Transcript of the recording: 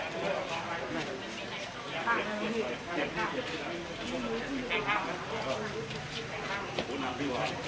ครับ